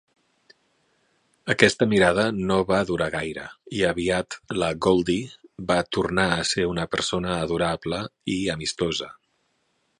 Aquesta mirada no va durar gaire i aviat la Goldy va tornar a ser una persona adorable i amistosa.